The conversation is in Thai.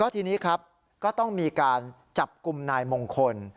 ทีนี้ครับก็ต้องมีการจับกลุ่มนายมงคล